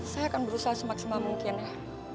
saya akan berusaha semaksimal mungkin ya